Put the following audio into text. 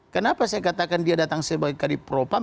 kenapa saya katakan dia datang sebagai kadipropam